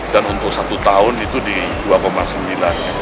dan untuk satu tahun itu di dua sembilan